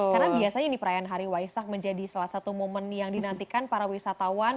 karena biasanya ini perayaan hari waisak menjadi salah satu momen yang dinantikan para wisatawan